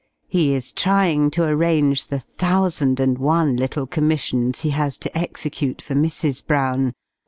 He is trying to arrange the thousand and one little commissions he has to execute for Mrs. Brown.